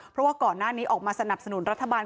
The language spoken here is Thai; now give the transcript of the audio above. เพราะว่าก่อนหน้านี้ออกมาสนับสนุนรัฐบาล